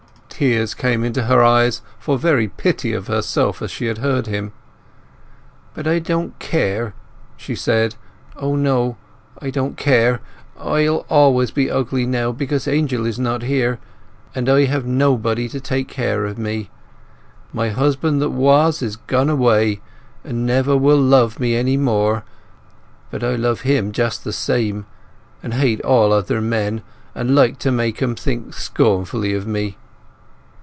Tears came into her eyes for very pity of herself as she heard him. "But I don't care!" she said. "O no—I don't care! I'll always be ugly now, because Angel is not here, and I have nobody to take care of me. My husband that was is gone away, and never will love me any more; but I love him just the same, and hate all other men, and like to make 'em think scornfully of me!"